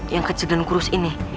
yang kecil dan kurus ini